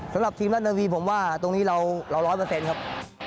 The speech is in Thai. สำหรับทีมราชนาวีผมว่าตรงนี้เราร้อยเปอร์เซ็นต์ครับ